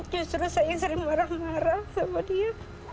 justru saya sering marah marah sama dia